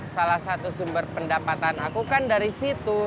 salah satu sumber pendapatan aku kan dari situ